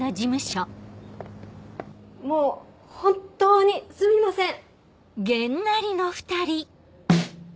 もう本当にすみません！